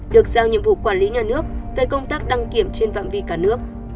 được giao nhiệm vụ quản lý nhà nước về công tác đăng kiểm trên phạm vi cả nước